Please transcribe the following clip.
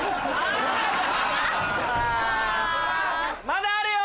まだあるよ！